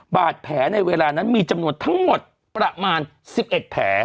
บาดแผลในเวลานั้นมีจำนวนทั้งหมดประมาณ๑๑แผล